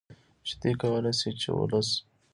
چې دوی کولې شي چې ولس